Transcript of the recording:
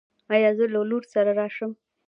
ایا زه له لور سره راشم؟